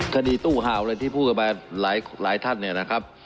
คดีตู้ห่าวที่พูดกับมาหลายท่าน